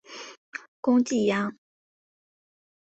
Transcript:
攻济阳。